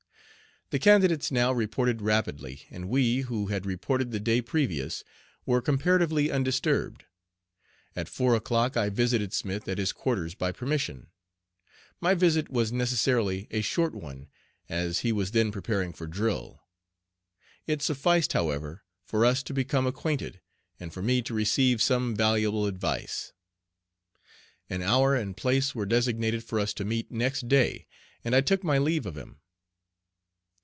The candidates now reported rapidly, and we, who had reported the day previous, were comparatively undisturbed. At four o'clock I visited Smith at his quarters by permission. My visit was necessarily a short one, as he was then preparing for drill. It sufficed, however, for us to become acquainted, and for me to receive some valuable advice. An hour and place were designated for us to meet next day, and I took my leave of him.